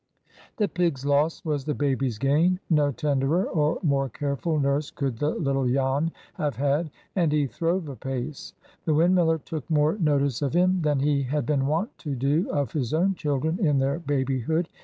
The pigs' loss was the baby's gain. No tenderer or more careful nurse could the little Jan have had. And he throve apace. The windmiller took more notice of him than he had been wont to do of his own children in their babyhood.